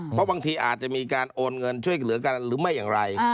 เพราะบางทีอาจจะมีการโอนเงินช่วยเหลือกันหรือไม่อย่างไร